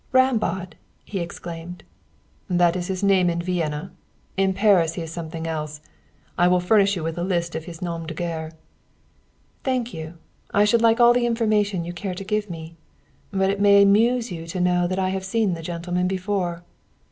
"Rambaud!" he exclaimed. "That's his name in Vienna. In Paris he is something else. I will furnish you a list of his noms de guerre." "Thank you. I should like all the information you care to give me; but it may amuse you to know that I have seen the gentleman before."